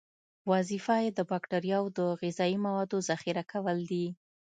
وظیفه یې د باکتریاوو د غذایي موادو ذخیره کول دي.